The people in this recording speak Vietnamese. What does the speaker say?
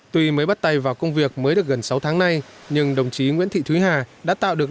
tuy mới bắt tay vào công việc mới được gần sáu tháng nay nhưng đồng chí nguyễn thị thúy hà đã tạo được